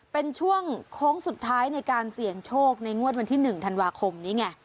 เป็นช่วงโค้งสุดท้ายในการเสี่ยงโชคในงวดวันที่๑ธันวาคมนี้ไง